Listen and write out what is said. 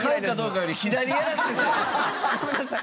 ごめんなさい。